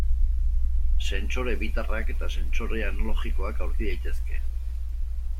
Sentsore bitarrak eta sentsore analogikoak aurki daitezke.